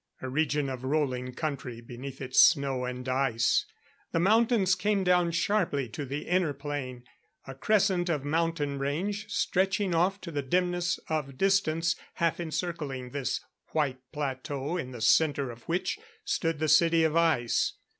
A region of rolling country beneath its snow and ice. The mountains came down sharply to the inner plain a crescent of mountain range stretching off into the dimness of distance, half encircling this white plateau in the center of which stood the City of Ice.